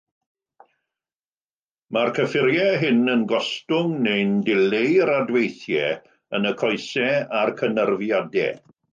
Mae'r cyffuriau hyn yn gostwng neu'n dileu'r adweithiau yn y coesau a'r cynyrfiadau.